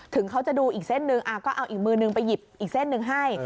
ถึงเขาจะดูอีกเส้นหนึ่งก็เอาอีกมือนึงไปหยิบอีกเส้นหนึ่งให้